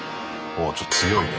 おおちょっと強いね。